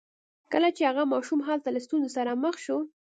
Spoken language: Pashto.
کله چې هغه ماشوم هلته له ستونزو سره مخ شو